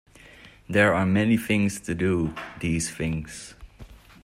There are many ways to do these things.